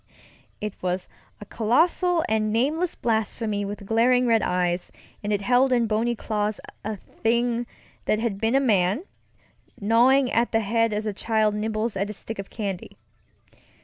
It was a colossal and nameless blasphemy with glaring red eyes, and it held in bony claws a thing that had been a man, gnawing at the head as a child nibbles at a stick of candy.